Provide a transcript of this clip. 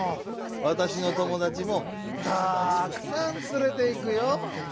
わたしのともだちもたくさんつれていくよ。